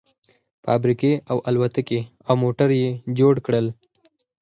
فابريکې او الوتکې او موټر يې جوړ کړل.